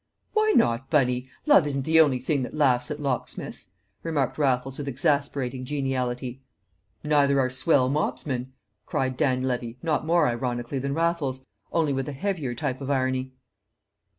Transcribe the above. "Why not, Bunny? Love isn't the only thing that laughs at locksmiths," remarked Raffles with exasperating geniality. "Neither are swell mobsmen!" cried Dan Levy, not more ironically than Raffles, only with a heavier type of irony.